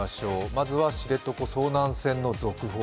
まずは知床遭難船の続報。